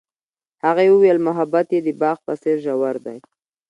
هغې وویل محبت یې د باغ په څېر ژور دی.